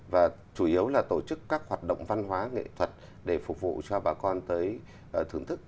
và chủ yếu là tổ chức các hoạt động văn hóa nghệ thuật để phục vụ cho bà con tới thưởng thức